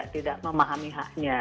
tidak memahami haknya